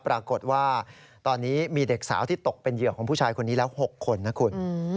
ปรากฏว่าตอนนี้มีเด็กสาวที่ตกเป็นเหยื่อของผู้ชายคนนี้แล้ว๖คนนะคุณ